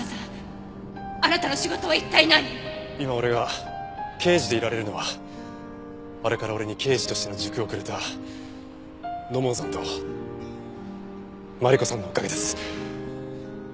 今俺が刑事でいられるのはあれから俺に刑事としての軸をくれた土門さんとマリコさんのおかげです。